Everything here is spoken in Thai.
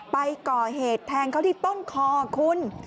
ไปก่อเหตุแทงเขาที่ต้นคอคุณ